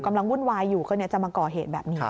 วุ่นวายอยู่ก็จะมาก่อเหตุแบบนี้